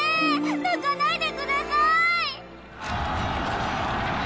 泣かないでください！